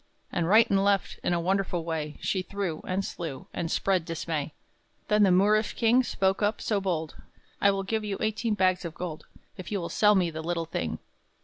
And right and left, in a wonderful way, She threw, and slew, and spread dismay. Then the Moorish king spoke up so bold: "I will give you eighteen bags of gold, If you will sell me the little thing."